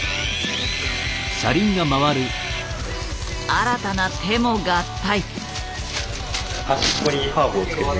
新たな手も合体。